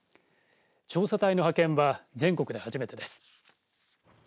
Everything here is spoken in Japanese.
調査隊の派遣は全国で初めてです。